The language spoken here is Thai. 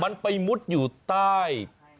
มันไปมุดอยู่ใต้